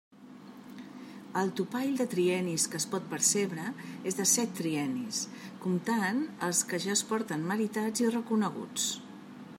El topall de triennis que es pot percebre és de set triennis, comptant els que ja es porten meritats i reconeguts.